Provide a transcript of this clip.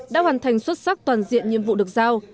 đã hoàn thành xuất sắc toàn diện nhiệm vụ được giao